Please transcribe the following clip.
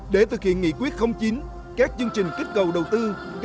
để thực hiện nghị quyết chín các chương trình kích cầu đầu tư